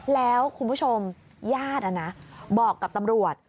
แล้วคุณผู้ชมญาติบอกกับตำรวจ